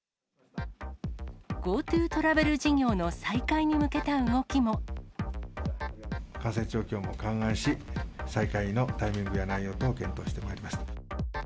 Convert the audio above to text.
ＧｏＴｏトラベル事業の再感染状況も勘案し、再開のタイミングや内容等を検討してまいります。